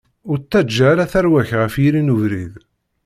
Ur ttaǧǧa ara tarwa-k ɣef yiri n ubrid.